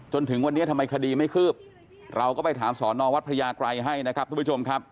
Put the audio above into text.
จนถึงวันนี้ทำไมคดีไม่คืบเราก็ไปถามสอนอวัดพระยากรัยให้นะครับทุกผู้ชมครับ